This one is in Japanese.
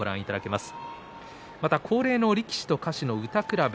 また、恒例の力士と歌手の歌くらべ。